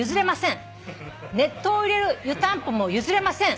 「熱湯を入れる湯たんぽも譲れません」